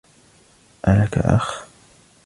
ألك أخ؟